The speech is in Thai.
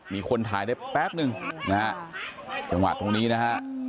มีคนถ่ายได้แป๊บนึงนะฮะจังหวะตรงนี้นะฮะ